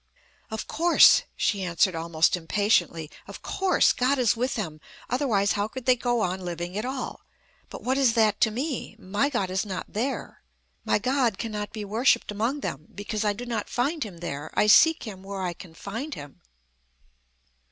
"Of course," she answered almost impatiently, "of course, God is with them: otherwise, how could they go on living at all? But what is that to me? My God is not there. My God cannot be worshipped among them; because I do not find Him there. I seek Him where I can find Him."